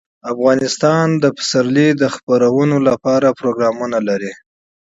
افغانستان د پسرلی د ترویج لپاره پروګرامونه لري.